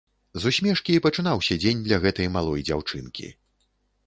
З усмешкі і пачынаўся дзень для гэтай малой дзяўчынкі.